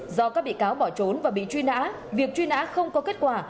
do các bị cáo bỏ trốn và bị truy nã việc truy nã không có kết quả